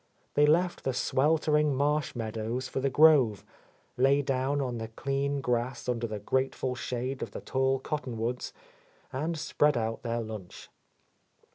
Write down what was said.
They left the sweltering marsh meadows for the grove, lay down on the clean grass under the grateful shade of the tall cottonwoods, and spread out their lunch.